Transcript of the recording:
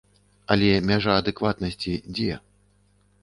Але мяжа адэкватнасці дзе?